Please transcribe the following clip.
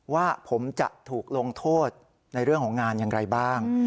ว่าผมจะถูกลงโทษในเรื่องของงานอย่างไรบ้าง